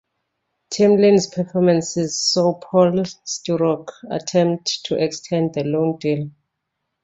Timlin's performances saw Paul Sturrock attempt to extend the loan deal.